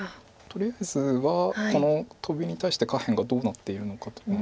とりあえずはこのトビに対して下辺がどうなっているのかという。